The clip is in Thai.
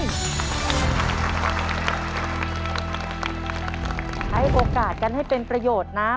ใช้โอกาสกันให้เป็นประโยชน์นะ